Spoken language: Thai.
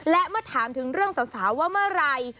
และเมื่อถามถึงเรื่องสาวว่าเมื่อไหร่